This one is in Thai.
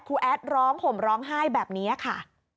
แอดร้องห่มร้องไห้แบบนี้ค่ะ